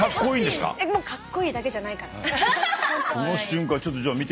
「カッコイイだけじゃないから」